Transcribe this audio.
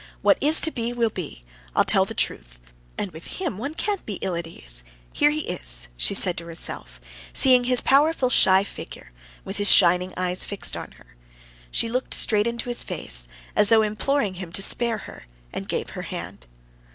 What is to be, will be! I'll tell the truth. And with him one can't be ill at ease. Here he is," she said to herself, seeing his powerful, shy figure, with his shining eyes fixed on her. She looked straight into his face, as though imploring him to spare her, and gave her hand.